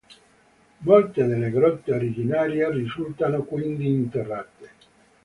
Molte delle grotte originarie risultano quindi interrate.